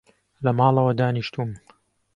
لە ماڵەوە دانیشتووم